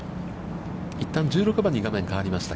一旦１６番に画面変わりました。